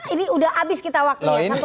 ini sudah habis kita waktu ini